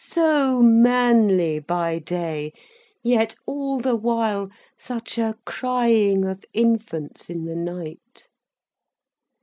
So manly by day, yet all the while, such a crying of infants in the night.